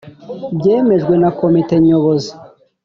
byemejwe na Komite Nyobozi